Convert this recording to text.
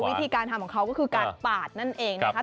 วิธีการทำของเขาก็คือการปาดนั่นเองนะคะ